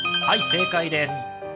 はい、正解です。